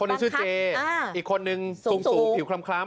อีกคนนึงสูงผิวคล้ำ